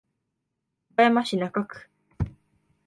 岡山市中区